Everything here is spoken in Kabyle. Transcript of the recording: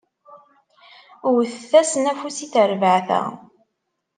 Wwtet-asen afus i terbeɛt-a!